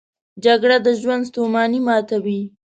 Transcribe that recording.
جګړه د ژوند ستونی ماتوي